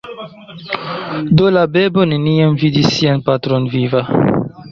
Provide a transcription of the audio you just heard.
Do la bebo neniam vidis sian patron viva.